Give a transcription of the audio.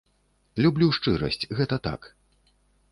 Люблю шчырасць, гэта так!